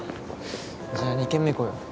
じゃあ２軒目行こうよ。